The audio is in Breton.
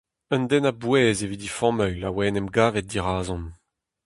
Un den a bouez evit he familh a oa en em gavet dirazon.